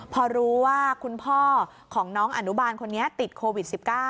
พอรู้ว่าคุณพ่อของน้องอนุบาลคนนี้ติดโควิด๑๙